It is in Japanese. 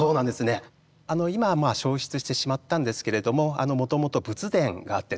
今焼失してしまったんですけれどももともと仏殿があってですね